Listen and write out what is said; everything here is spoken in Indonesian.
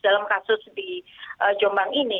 dalam kasus di jombang ini